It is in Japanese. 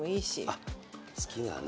あっ好きなね。